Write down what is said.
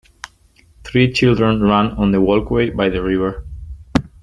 Three children run on the walkway by the river.